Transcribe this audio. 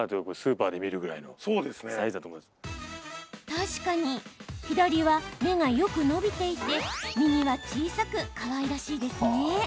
確かに左は芽がよく伸びていて右は小さく、かわいらしいですね。